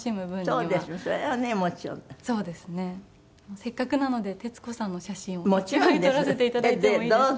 せっかくなので徹子さんの写真を１枚撮らせて頂いてもいいですか？